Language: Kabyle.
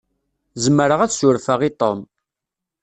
Zemreɣ ad surfeɣ i Tom.